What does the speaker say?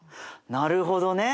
なるほどね。